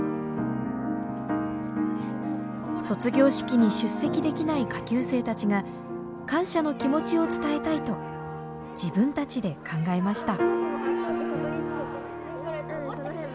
卒業式に出席できない下級生たちが感謝の気持ちを伝えたいと自分たちで考えました。